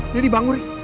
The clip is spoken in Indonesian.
ri dibangun ri